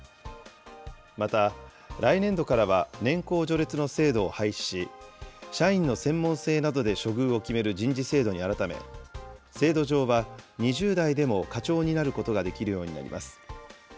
また来年度からは、年功序列の制度を廃止し、社員の専門性などで処遇を決める人事制度に改め、制度上は２０代でも課長になることができるようになります。